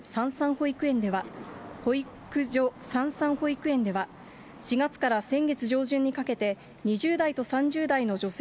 保育園では、保育所、さんさん保育園では、４月から先月上旬にかけて、２０代と３０代の助成